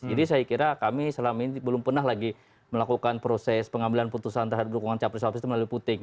jadi saya kira kami selama ini belum pernah lagi melakukan proses pengambilan putusan terhadap dukungan capri sapri melalui puting